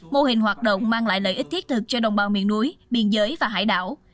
mô hình hoạt động mang lại lợi ích thiết thực cho đồng bào miền núi biên giới và hải đảo